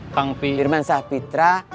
kang firman sahpitra